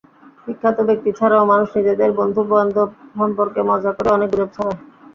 বিখ্যাত ব্যক্তি ছাড়াও মানুষ নিজেদের বন্ধুবান্ধব সম্পর্কে মজা করেও অনেক গুজব ছড়ায়।